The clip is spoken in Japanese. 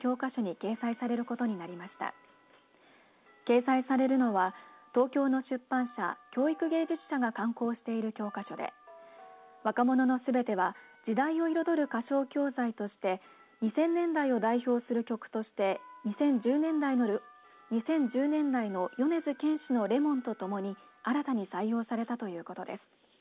掲載されるのは東京の出版社、教育芸術社が刊行している教科書で若者のすべては時代を彩る歌唱教材として２０００年代を代表する曲として２０１０年代の米津玄師のＬｅｍｏｎとともに新たに採用されたということです。